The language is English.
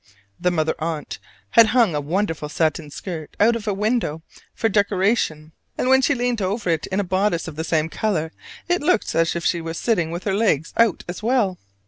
The Mother Aunt had hung a wonderful satin skirt out of window for decoration; and when she leaned over it in a bodice of the same color, it looked as if she were sitting with her legs out as well!